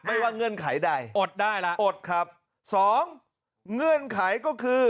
ว่าเงื่อนไขใดอดได้ล่ะอดครับสองเงื่อนไขก็คือ